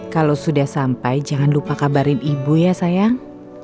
kalau sudah sampai jangan lupa kabarin ibu ya sayang